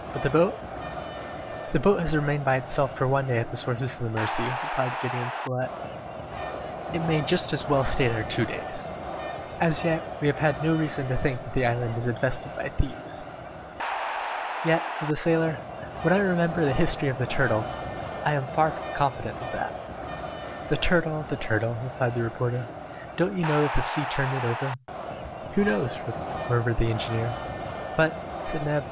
"But the boat?" "The boat has remained by itself for one day at the sources of the Mercy," replied Gideon Spilett; "it may just as well stay there two days! As yet, we have had no reason to think that the island is infested by thieves!" "Yet," said the sailor, "when I remember the history of the turtle, I am far from confident of that." "The turtle! the turtle!" replied the reporter. "Don't you know that the sea turned it over?" "Who knows?" murmured the engineer. "But " said Neb.